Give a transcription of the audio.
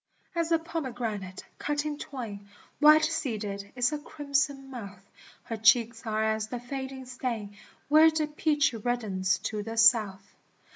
As a pomegranate, cut in twain, White seeded, is her crimson mouth, Her cheeks are as the fading stain Where the peach reddens to the south.